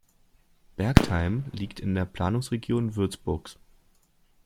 Bergtheim liegt in der Planungsregion Würzburg.